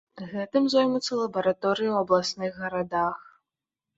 Гэтым зоймуцца лабараторыі ў абласных гарадах.